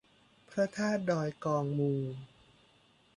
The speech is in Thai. พระธาตุดอยกองมู